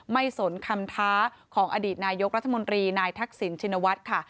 สนคำท้าของอดีตนายกรัฐมนตรีนายทักษิณชินวัฒน์ค่ะ